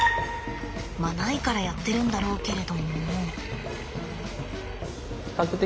まあないからやってるんだろうけれども。